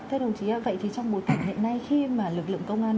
thưa đồng chí ạ vậy thì trong buổi thử hiện nay khi mà lực lượng công an